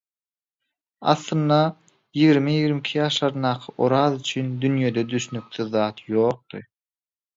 Aslynda, ýigrimi-ýigrimiki ýaşlaryndaky Oraz üçin dünýede düşnüksiz zat ýokdy.